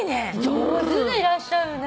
上手でいらっしゃるね。